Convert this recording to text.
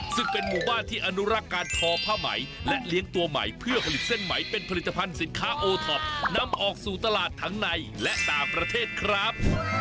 ซึ่งเป็นหมู่บ้านที่อนุรักษ์การทอผ้าไหมและเลี้ยงตัวใหม่เพื่อผลิตเส้นไหมเป็นผลิตภัณฑ์สินค้าโอท็อปนำออกสู่ตลาดทั้งในและต่างประเทศครับ